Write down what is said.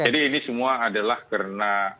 jadi ini semua adalah karena